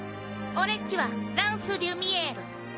俺っちはランス＝リュミエール。